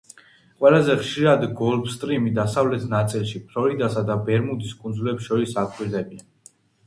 ყველაზე ხშირად გოლფსტრიმის დასავლეთ ნაწილში, ფლორიდასა და ბერმუდის კუნძულებს შორის აკვირდებიან.